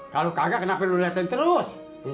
kalo kagak kenapa lo liatin terus